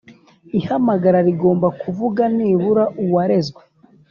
Ihamagara rigomba kuvuga nibura uwarezwe